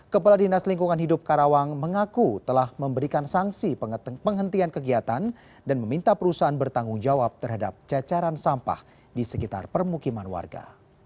kepala dinas lingkungan hidup karawang mengaku telah memberikan sanksi penghentian kegiatan dan meminta perusahaan bertanggung jawab terhadap cacaran sampah di sekitar permukiman warga